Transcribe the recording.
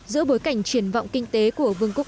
giữa bối cảnh triển vọng kinh tế của vương quốc